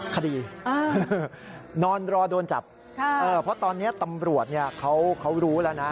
คดีนอนรอโดนจับเพราะตอนนี้ตำรวจเขารู้แล้วนะ